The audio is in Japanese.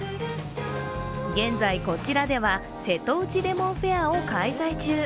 現在、こちらでは瀬戸内レモンフェアを開催中。